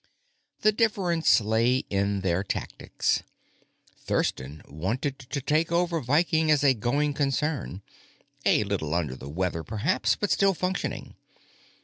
The difference lay in their tactics. Thurston wanted to take over Viking as a going concern a little under the weather, perhaps, but still functioning.